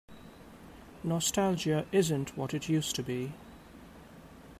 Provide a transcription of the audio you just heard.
Nostalgia isn't what it used to be.